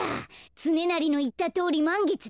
つねなりのいったとおりまんげつだ。